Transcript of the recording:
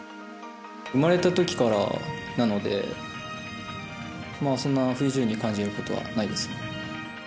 生まれたときからなのでそんなに不自由に感じることはないですね。